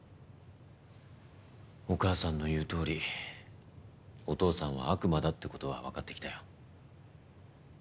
お母さんの言うとおりお父さんは悪魔だって事はわかってきたよ。